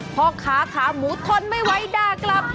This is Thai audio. พ่อค้าขาหมูทนไม่ไหวด่ากลับ